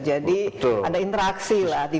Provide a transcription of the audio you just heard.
jadi ada interaksi lah di mana